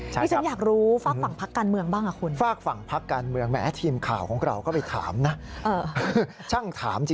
ที่ฉันอยากรู้ฝากฝั่งพักการเมืองบ้างคุณ